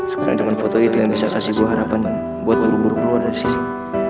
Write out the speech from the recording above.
sekarang zaman foto itu yang bisa kasih gue harapan buat buru buru keluar dari sini